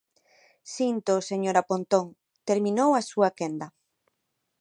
Síntoo, señora Pontón, terminou a súa quenda.